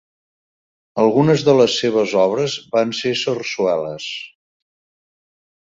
Algunes de les seves obres van ser sarsueles.